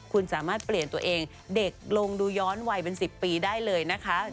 คุณสามารถเปลี่ยนตัวเองเด็กลงดูย้อนวัยเป็น๑๐ปีได้เลยนะคะ